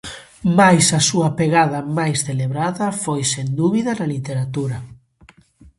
Mais a súa pegada máis celebrada foi sen dúbida na literatura.